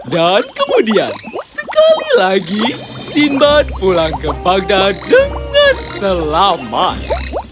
dan kemudian sekali lagi simbad pulang ke bagdad dengan selamat